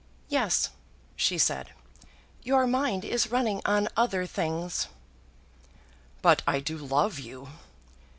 "Yes," she said; "your mind is running on other things." "But I do love you.